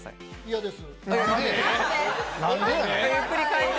嫌です。